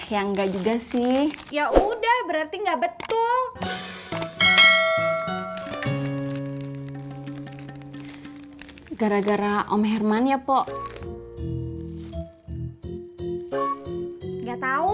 yang enggak juga sih ya udah berarti nggak betul gara gara om hermania pokok nggak tahu